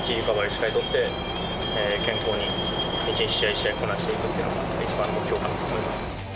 しっかり取って、健康に一日一日こなしていくというのが一番の目標かなと思い